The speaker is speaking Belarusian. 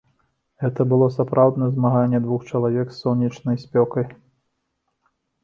Гэта было сапраўднае змаганне двух чалавек з сонечнай спёкай.